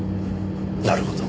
なるほど。